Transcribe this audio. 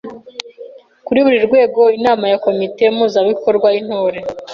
Kuri buri rwego, Inama ya Komite Mpuzabikorwa y’Intore